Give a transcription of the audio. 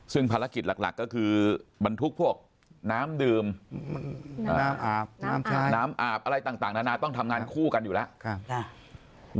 ซึ่งภารกิจหลักก็คือบรรทุกพวกน้ำดื่มน้ำอาบน้ำอาบอะไรต่างนานาต้องทำงานคู่กันอยู่แล้ว